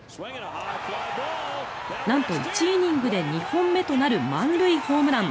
なんと１イニングで２本目となる満塁ホームラン。